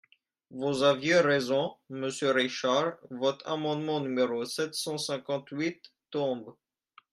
Vous aviez raison, monsieur Richard : votre amendement numéro sept cent cinquante-huit tombe.